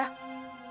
mbak dia itu kakak